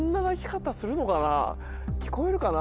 聞こえるかな？